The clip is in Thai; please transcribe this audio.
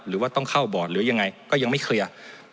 หรือว่าต้องเข้าบอร์ดหรือยังไงก็ยังไม่เคลียร์